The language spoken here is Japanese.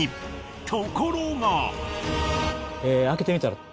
ところが。